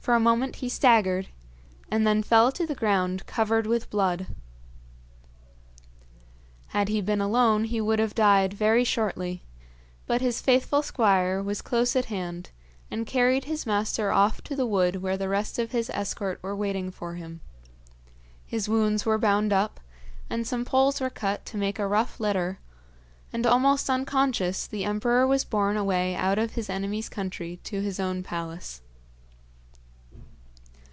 For a moment he staggered, and then fell to the ground covered with blood. Had he been alone he would have died very shortly, but his faithful squire was close at hand, and carried his master off to the wood where the rest of his escort were waiting for him. His wounds were bound up, and some poles were cut to make a rough litter, and, almost unconscious, the emperor was borne away out of his enemy's country to his own palace.